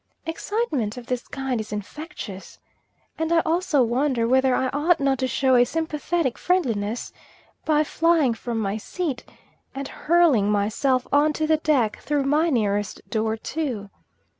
Excitement of this kind is infectious, and I also wonder whether I ought not to show a sympathetic friendliness by flying from my seat and hurling myself on to the deck through my nearest door, too.